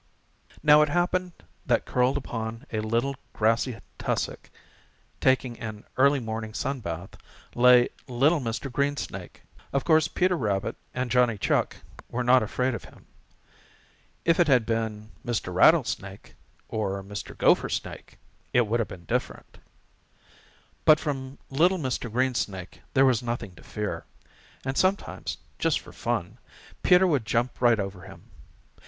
Now it happened that curled up on a little grassy tussock, taking an early morning sun bath, lay little Mr. Greensnake. Of course Peter Rabbit and Johnny Chuck were not afraid of him. If it had been Mr. Rattlesnake or Mr. Gophersnake, it would have been different. But from little Mr. Greensnake there was nothing to fear, and sometimes, just for fun, Peter would jump right over him.